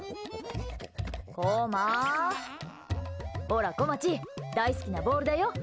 ほら、こまち大好きなボールだよ。